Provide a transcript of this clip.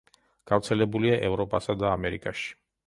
გავრცელებულია ევროპასა და ამერიკაში.